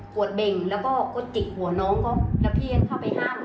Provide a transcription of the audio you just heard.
กวดเบ้งแล้วก็กฎหัวน้องก็ระเพียงเข้าไปห้าม